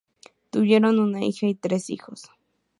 Tuvieron una hija y tres hijos.